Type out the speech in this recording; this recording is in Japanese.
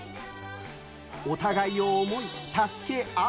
お互いを思い、助け合う。